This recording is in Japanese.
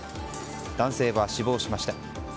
男性は死亡しました。